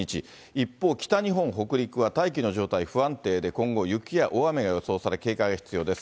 一方、北日本、北陸は大気の状態不安定で、今後、雪や大雨が予想され、警戒が必要です。